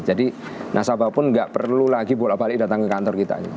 jadi nasabah pun nggak perlu lagi bolak balik datang ke kantor kita